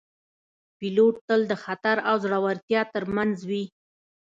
پیلوټ تل د خطر او زړورتیا ترمنځ وي